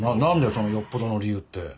そのよっぽどの理由って。